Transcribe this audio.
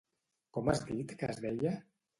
Com has dit que es deia?